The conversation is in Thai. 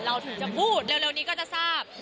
ถึงจะพูดเร็วนี้ก็จะทราบ